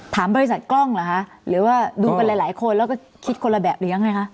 บริษัทกล้องเหรอคะหรือว่าดูกันหลายคนแล้วก็คิดคนละแบบเลี้ยงไงคะ